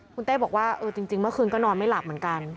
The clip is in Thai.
คุณเต้บอกว่าเออจริงเมื่อคืนก็นอนไม่หลับเหมือนกัน